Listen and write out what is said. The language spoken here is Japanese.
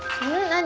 何？